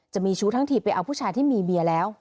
จะมีชู้ทั้งทีไปเอาผู้ชายที่มีเบียร์แล้ว